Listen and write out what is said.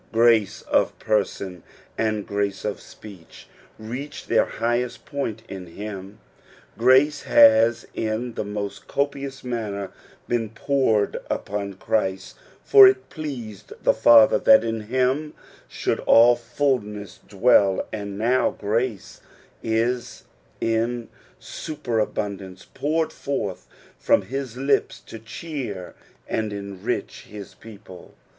Grace of person and grace of speech reach their highest point in him. Grace has in the mo?t copious manner been poured upon Christ, for it pleased the Father that in him should all fulness dwell, and now grace is in superabundance, poured forth from his lips to cheer and enrich his people.